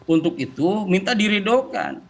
untuk itu minta diridohkan